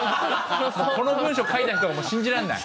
この文章書いた人がもう信じらんない？